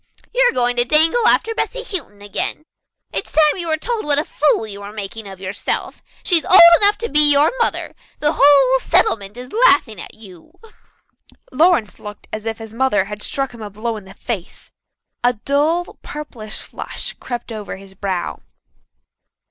"You are going to dangle after Bessy Houghton again. It's time you were told what a fool you were making of yourself. She's old enough to be your mother. The whole settlement is laughing at you." Lawrence looked as if his mother had struck him a blow in the face. A dull, purplish flush crept over his brow.